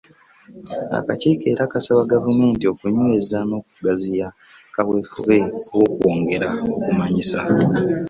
Akakiiko era kasaba Gavumenti okunyweza n’okugaziya kaweefube w’okwongera okumanyisa.